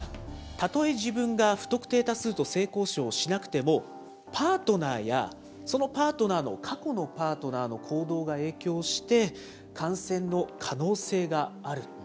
田中医師は、たとえ自分が不特定多数と性交渉をしなくても、パートナーや、そのパートナーの過去のパートナーの行動が影響して、感染の可能性があると。